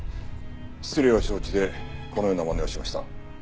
失礼を承知でこのようなまねをしました。